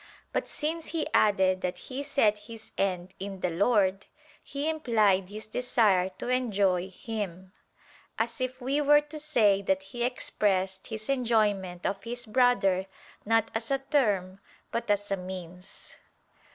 But since he added that he set his end in the Lord, he implied his desire to enjoy Him": as if we were to say that he expressed his enjoyment of his brother not as a term but as a means.